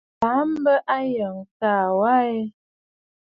À laà m̀bə Ayɔꞌɔ̀ taa wa aa ɛ?